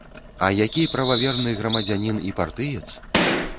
А які прававерны грамадзянін і партыец!